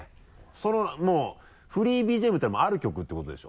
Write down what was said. そのフリーＢＧＭっていうのはもうある曲ってことでしょ？